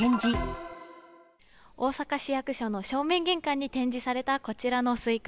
大阪市役所の正面玄関に展示されたこちらのスイカ。